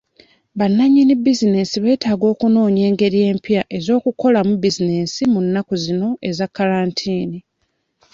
Bannannyini bizinensi beetaaga okunoonya engeri empya ez'okukolamu businensi mu nnaku zino eza kkalantiini.